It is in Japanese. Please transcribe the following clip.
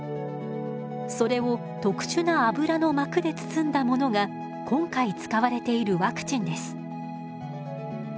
それを特殊な油の膜で包んだものが今回使われているワクチンです。